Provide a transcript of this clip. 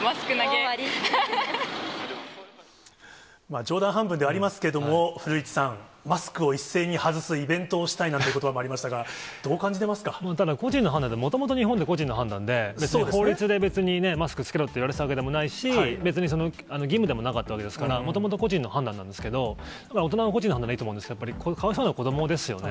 冗談半分ではありますけれども、古市さん、マスクを一斉に外すイベントをしたいなんていうことばもありましただ、個人の判断って、もともと日本で個人の判断で、法律で別にね、マスク着けろっていわれていたわけでもないし、別に義務でもなかったわけですから、もともと個人の判断なんですけど、大人は個人でいいんですけど、やっぱりかわいそうなのは子どもですよね。